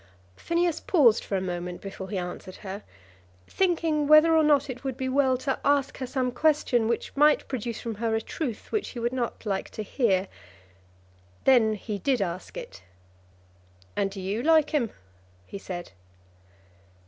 Phineas paused for a moment before he answered her, thinking whether or not it would be well to ask her some question which might produce from her a truth which he would not like to hear. Then he did ask it. "And do you like him?" he said.